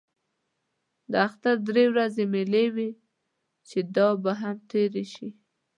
د اختر درې ورځې مېلې وې چې دا به هم تېرې شي.